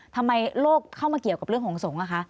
ทำไมโลกเข้ามาเกี่ยวกับเรื่องของสงฆ์อะคะ